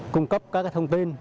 cung cấp các thông tin